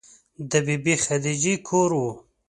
د بې بي خدیجې کور و.